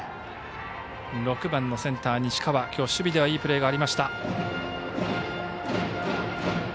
６番のセンター、西川守備ではいいプレーがありました。